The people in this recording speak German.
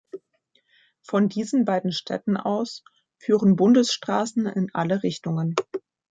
Von diesen beiden Städten aus führen Bundesstraßen in alle Richtungen.